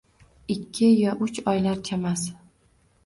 Ikki yo uch oylar chamasi